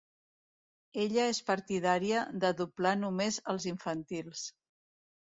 Ella és partidària de doblar només els infantils.